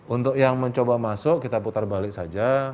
untuk yang mencoba masuk kita putar balik saja